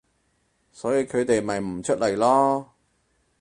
所以佢哋咪唔出嚟囉